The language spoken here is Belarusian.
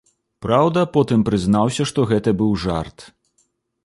Праўда, потым прызнаўся, што гэта быў жарт.